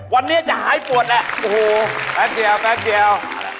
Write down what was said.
วันนี้จะหายปวดแหละโอ้โฮแป๊บเดียว